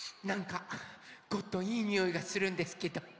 なんかゴットンいいにおいがするんですけど。